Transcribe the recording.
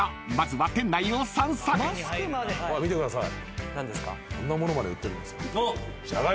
見てください。